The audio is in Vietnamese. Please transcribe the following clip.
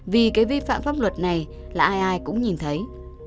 vì cái vi phạm pháp luật này là ai ai cũng nhìn thấy